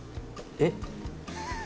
えっ？